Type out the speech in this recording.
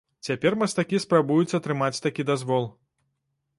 Цяпер мастакі спрабуюць атрымаць такі дазвол.